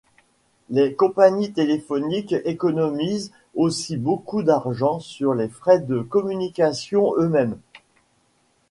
Les compagnies téléphoniques économisent aussi beaucoup d'argent sur les frais de communication eux-mêmes.